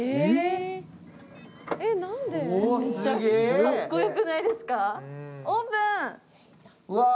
かっこよくないですか？